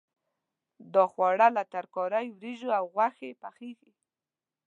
دا خواړه له ترکارۍ، وریجو او غوښې پخېږي.